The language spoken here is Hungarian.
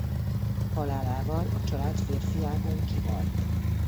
Halálával a család férfi ágon kihalt.